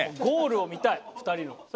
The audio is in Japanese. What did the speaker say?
ゴールを見たい２人の。